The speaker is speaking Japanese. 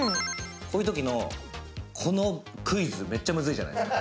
こういうときのこのクイズ、めっちゃムズイじゃないですか。